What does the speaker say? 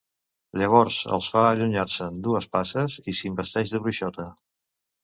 Llavors els fa allunyar-se'n dues passes i s'investeix de bruixota.